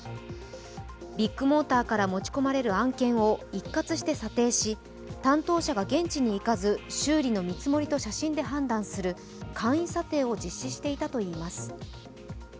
ビッグモーターから持ち込まれる案件を一括して査定し、担当者が現地に行かず修理の見積もりと写真で判断する簡易査定を実施していたといいます。